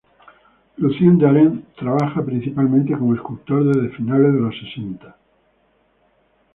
Lucien den Arend trabaja principalmente como escultor desde finales de los sesenta.